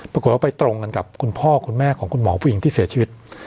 ปรากฏว่าไปตรงกันกับคุณพ่อคุณแม่ของคุณหมอผู้หญิงที่เสียชีวิต